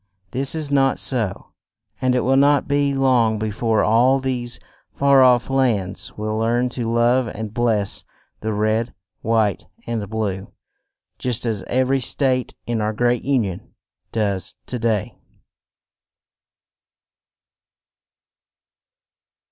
This is not so, and it will not be long be fore all these far off lands will learn to love and bless the Red, White and Blue, just as ev er y State in our great Un ion does to day.